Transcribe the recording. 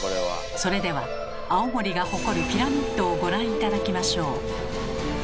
それでは青森が誇るピラミッドをご覧頂きましょう。